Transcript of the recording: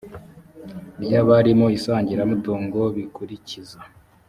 ry abari mu isangiramutungo bikurikiza